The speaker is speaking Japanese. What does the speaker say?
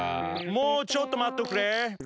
もうちょっと待っとくれ。